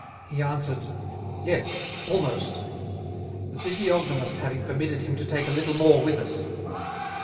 He answered, yes, almost: The Physiognomist having permitted him to take a little more with us.